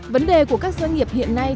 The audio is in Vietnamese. vấn đề của các doanh nghiệp hiện nay